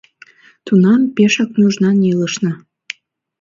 Тунам пешак нужнан илышна.